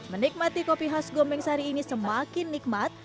menikmati kopi khas gombeng sari ini semakin nikmat